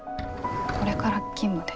これから勤務で。